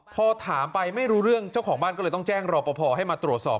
พอถามไปไม่รู้เรื่องเจ้าของบ้านก็เลยต้องแจ้งรอปภให้มาตรวจสอบ